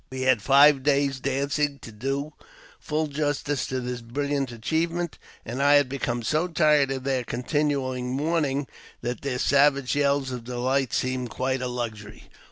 We had five days' dancing to do full justice to this brilliant achievement, and I had become so tired of their continual mourning that their savage yells of delight seemed quite a luxury.